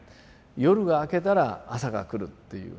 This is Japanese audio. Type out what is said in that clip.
夜が明けたら朝が来るっていう。